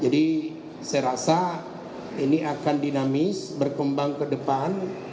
jadi saya rasa ini akan dinamis berkembang ke depan